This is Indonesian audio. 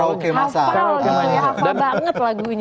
hapal hafal banget lagunya